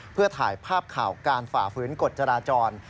เพื่อถ่ายภาพข่าวการฝ่าฝืนกฎจราจร